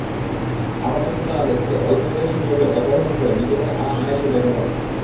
আপাতত তাঁরা ব্যস্ত অল্প বয়সী মেয়েদের অপহরণ করে নিজেদের আরাম-আয়েশে ব্যবহারে।